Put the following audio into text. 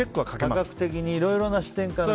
感覚的にいろいろな視点で見ると。